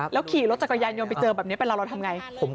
แล้วขี่รถจักรยานยนต์ไปเจอแบบนี้เป็นเรื่องเราทำอย่างไร